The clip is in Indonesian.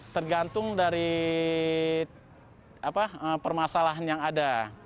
tergantung dari permasalahan yang ada